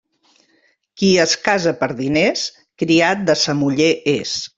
Qui es casa per diners, criat de sa muller és.